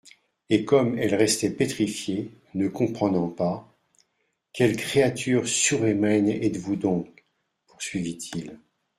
Et, comme elle restait pétrifiée, ne comprenant pas : —«Quelle créature surhumaine êtes-vous donc ?…» poursuivit-il.